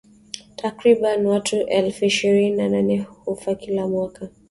Takriban watu elfu ishirini na nane hufa kila mwaka